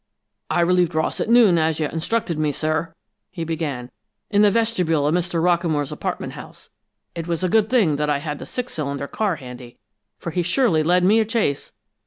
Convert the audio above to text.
"I relieved Ross at noon, as you instructed me, sir," he began, "in the vestibule of Mr. Rockamore's apartment house. It was a good thing that I had the six cylinder car handy, for he surely led me a chase!